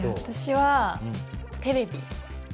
私はテレビ？